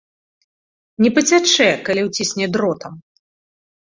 Не пацячэ, калі ўцісне дротам.